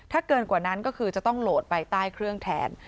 ถ้าเกินกว่านั้นก็คือจะต้องโหลดไปใต้เครื่องแทน